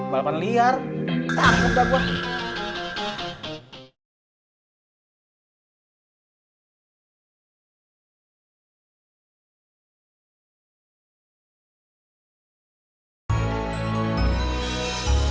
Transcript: balapan liar takut dah gue